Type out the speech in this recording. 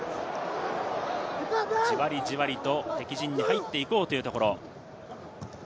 じわりじわりと敵陣に入っていこうというところ。